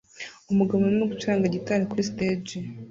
Umugabo arimo gucuranga gitari kuri stage